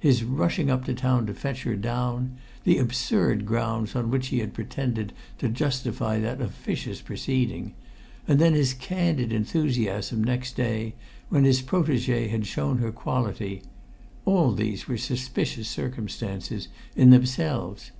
His rushing up to town to fetch her down, the absurd grounds on which he had pretended to justify that officious proceeding, and then his candid enthusiasm next day, when his protégé had shown her quality, all these were suspicious circumstances in themselves.